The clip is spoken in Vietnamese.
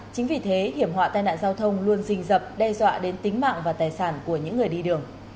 chính vì thế hiểm họa tai nạn giao thông luôn rình rập đe dọa đến tính mạng và tài sản của những người đi đường